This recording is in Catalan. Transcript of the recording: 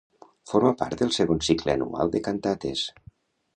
Forma part del segon cicle anual de cantates.